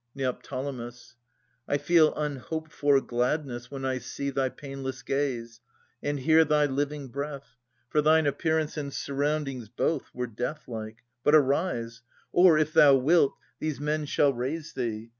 Neo. I feel unhoped for gladness when I see Thy painless gaze, and hear thy living breath. For thine appearance and surroundings both Were deathlike. But arise ! Or, if thou wilt. These men shall raise thee.